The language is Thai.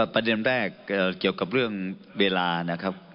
ประเด็นแรกเกี่ยวกับเรื่องเวลานะครับ